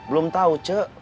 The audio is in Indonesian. belum tahu cik